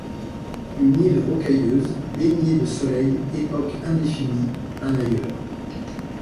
Une île rocailleuse baignée de soleil, époque indéfinie, un ailleurs.